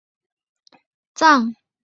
白云鄂博有世界上最大稀土矿藏。